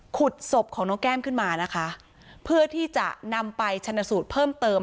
ขุดศพของน้องแก้มขึ้นมานะคะเพื่อที่จะนำไปชนสูตรเพิ่มเติม